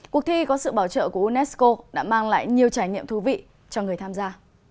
cuộc thi có sự bảo trợ của unesco đã mang lại nhiều trải nghiệm thú vị cho người tham gia